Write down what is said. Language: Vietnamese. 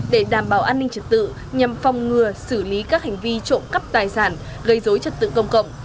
để đảm bảo an ninh trật tự nhằm phòng ngừa xử lý các hành vi trộm cắp tài sản gây dối trật tự công cộng